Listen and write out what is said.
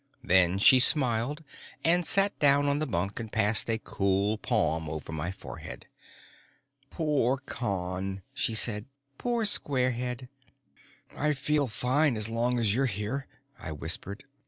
Then she smiled and sat down on the bunk and passed a cool palm over my forehead. "Poor Con," she said. "Poor squarehead." "I feel fine as long as you're here," I whispered.